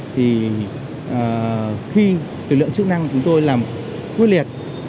thì khi lực lượng chức năng của chúng tôi làm quyết liệt